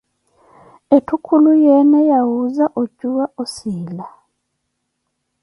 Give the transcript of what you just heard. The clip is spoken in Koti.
Etthu khuluyeene yawuuza ocuwa osiila.